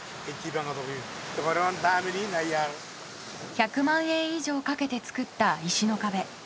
１００万円以上かけて造った石の壁。